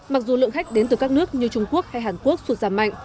mặc dù lượng khách đến từ các nước như trung quốc hay hàn quốc sụt giảm mạnh